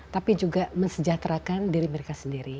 tapi juga mensejahterakan diri mereka sendiri